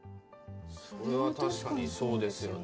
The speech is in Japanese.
それは確かにそうですよね。